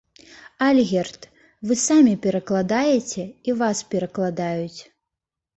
Альгерд, вы самі перакладаеце і вас перакладаюць.